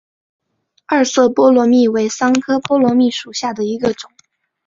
二色波罗蜜为桑科波罗蜜属下的一个种。